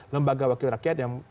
lembaga wakil rakyat yang